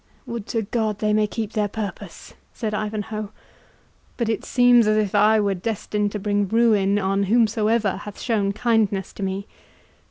"Would to God they may keep their purpose!" said Ivanhoe; "but it seems as if I were destined to bring ruin on whomsoever hath shown kindness to me.